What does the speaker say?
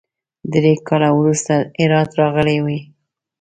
درې کاله وروسته هرات راغلی وي.